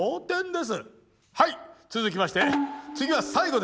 はい続きまして次は最後です。